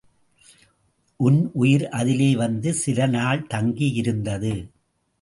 உன் உயிர் அதிலே வந்து சில நாள் தங்கியிருந்தது.